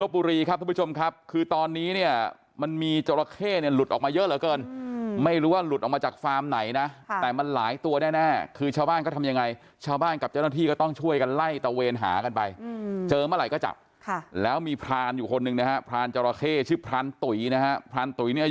บุรีครับทุกผู้ชมครับคือตอนนี้เนี่ยมันมีจราเข้เนี่ยหลุดออกมาเยอะเหลือเกินไม่รู้ว่าหลุดออกมาจากฟาร์มไหนนะแต่มันหลายตัวแน่คือชาวบ้านก็ทำยังไงชาวบ้านกับเจ้าหน้าที่ก็ต้องช่วยกันไล่ตะเวนหากันไปเจอเมื่อไหร่ก็จับค่ะแล้วมีพรานอยู่คนหนึ่งนะฮะพรานจราเข้ชื่อพรานตุ๋ยนะฮะพรานตุ๋ยเนี่ย